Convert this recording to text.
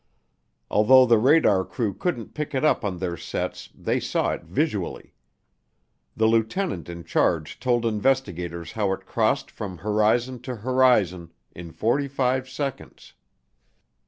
Although the radar crew couldn't pick it up on their sets they saw it visually. The lieutenant in charge told investigators how it crossed from horizon to horizon in 45 seconds.